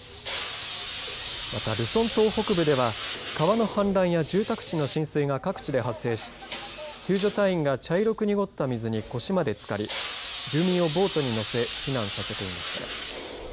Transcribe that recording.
また、ルソン島北部では川の氾濫や住宅地の浸水が各地で発生し救助隊員が茶色く濁った水に腰までつかり住民をボートに乗せ避難させていました。